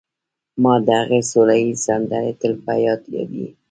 ما د هغې سوله ییزې سندرې تل په یاد دي